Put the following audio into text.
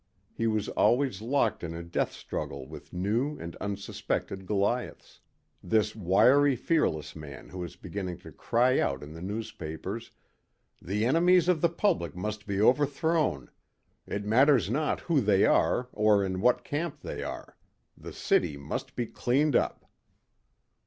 He was always locked in a death struggle with new and unsuspected Goliaths this wiry, fearless man who was beginning to cry out in the newspapers ... "The enemies of the public must be overthrown. It matters not who they are or in what camp they are. The city must be cleaned up."